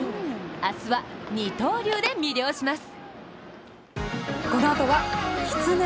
明日は二刀流で魅了します。